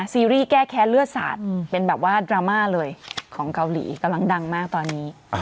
ซีรีส์แก้แค้นเลือดสาดเป็นแบบว่าดราม่าเลยของเกาหลีกำลังดังมากตอนนี้